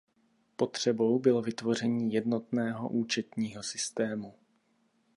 Potřebou bylo vytvoření jednotného účetního systému.